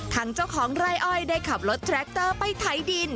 ทางเจ้าของไร่อ้อยได้ขับรถแทรคเตอร์ไปไถดิน